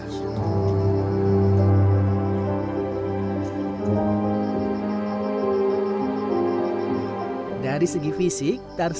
dari segi fisik tarsius belitung memiliki ukuran kepala yang lebih proporsional dengan tarsius